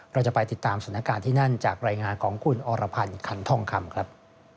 เราจะไปติดตามสถานการณ์ที่นั่นจากรายงานของคุณอรพันธ์ขันทองคำครับ